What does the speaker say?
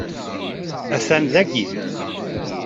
Atan dagi!